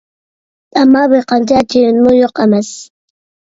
ئەمما بىر قانچە چىۋىنمۇ يوق ئەمەس.